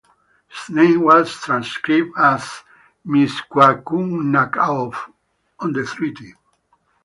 His name was transcribed as Misquacoonacaw on the treaty.